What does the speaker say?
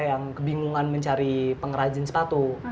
yang kebingungan mencari pengrajin sepatu